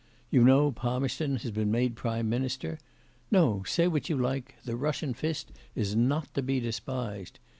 You know Palmerston has been made Prime Minister. No, say what you like, the Russian fist is not to be despised.